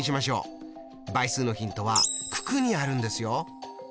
倍数のヒントは九九にあるんですよ。